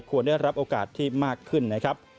ได้รับโอกาสที่มากขึ้นนะครับ